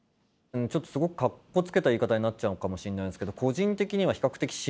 ちょっとすごくかっこつけた言い方になっちゃうかもしれないですけど